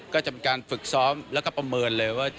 ก็จะเป็นการฝึกซ้อมแล้วก็ประเมินเลยว่า